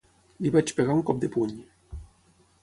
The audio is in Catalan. Li vaig pegar un cop de puny.